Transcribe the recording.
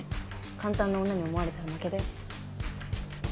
簡単な女に思われたら負けだよ。